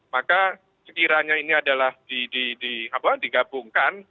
maka sekiranya ini adalah digabungkan